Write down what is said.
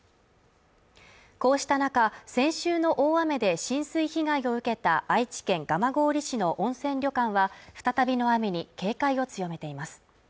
こうした中、先週の大雨で浸水被害を受けた愛知県蒲郡市の温泉旅館は再びの雨に警戒を強めています。